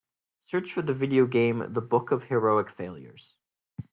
Search for the video game The Book of Heroic Failures